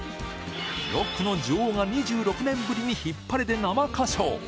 ロックの女王が２６年ぶりにヒッパレで生歌唱。